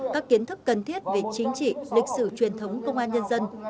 các kiến thức cần thiết về chính trị lịch sử truyền thống công an nhân dân